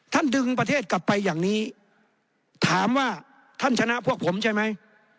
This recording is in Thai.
ดึงประเทศกลับไปอย่างนี้ถามว่าท่านชนะพวกผมใช่ไหม